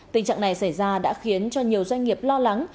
tình trạng này xảy ra đã khiến cho nhiều doanh nghiệp lo lắng